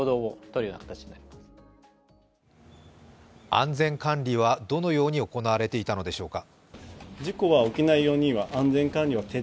安全管理はどのように行われていたのでしょうか。